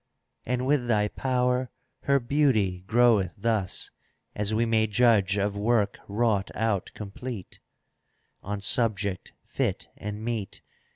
And with thy power her beauty groweth thus As we may judge of work wrought out com plete, *° On subject fit and meet.